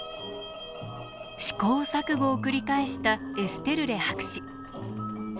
試行錯誤を繰り返したエステルレ博士。